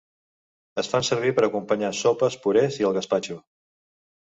Es fan servir per acompanyar sopes, purés i el gaspatxo.